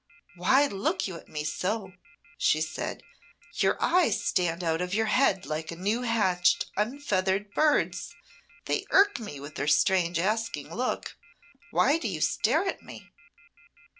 "Why look you at me so?" she said. "Your eyes stand out of your head like a new hatched, unfeathered bird's. They irk me with their strange asking look. Why do you stare at me?"